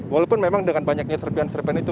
walaupun memang dengan banyaknya serpian serpian itu